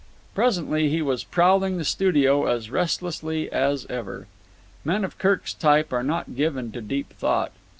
Presently he was prowling the studio as restlessly as ever. Men of Kirk's type are not given to deep thought.